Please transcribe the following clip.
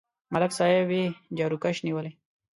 ملک صاحب یې جاروکش نیولی.